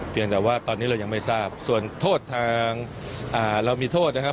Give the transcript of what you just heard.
แต่ว่าตอนนี้เรายังไม่ทราบส่วนโทษทางเรามีโทษนะครับ